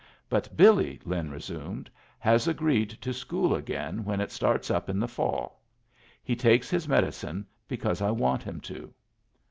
"But Billy," Lin resumed, "has agreed to school again when it starts up in the fall. He takes his medicine because I want him to."